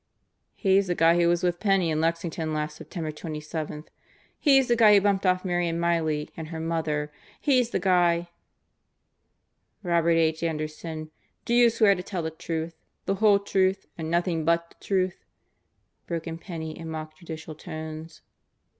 "He's the guy who was with Penney in Lexington last Septem ber 27. He's the guy who bumped off Marion Miley and her mother. He's the guy " "Robert H. Anderson, do you swear to tell the truth, the whole truth, and nothing but the truth?" broke in Penney in mock judicial tones.